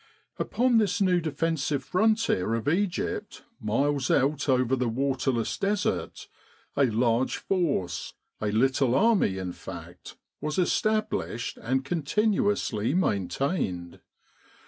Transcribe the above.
Upon this new defensive frontier of Egypt miles out over the waterless Desert, a large force a little army, in fact was established and continuously maintained.